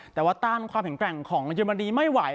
แต่ว่าต้านความกรรมหน่อยของเหยียดมณีไม่หว่น